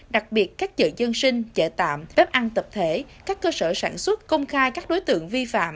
đặc biệt các chợ dân sinh chợ tạm bếp ăn tập thể các cơ sở sản xuất công khai các đối tượng vi phạm